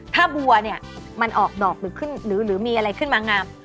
ถ้าบัวเนี่ยมันออกดอกหรือมีอะไรขึ้นมางาม